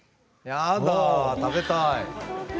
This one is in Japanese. やだ、食べたい。